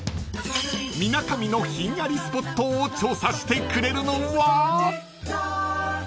［みなかみのひんやりスポットを調査してくれるのは］